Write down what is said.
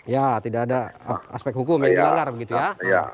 ya tidak ada aspek hukum yang dilanggar begitu ya